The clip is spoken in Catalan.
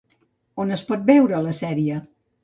On es pot veure, la sèrie?